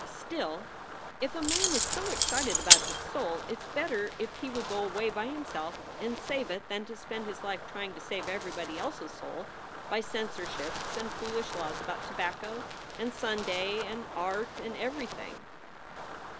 "Still, if a man is so excited about his soul, it s better if he will go away by himself and save it than to spend his life trying to save everybody else s soul by censorships and foolish laws about tobacco and Sunday and art and every thing."